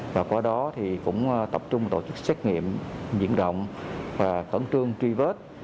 và qua đó thì cũng tập trung tổ chức xét nghiệm diễn động và khẩn trương truy vết